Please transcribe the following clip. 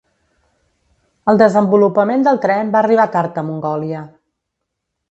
El desenvolupament del tren va arribar tard a Mongòlia.